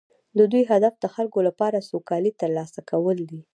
د دوی هدف د خلکو لپاره سوکالي ترلاسه کول دي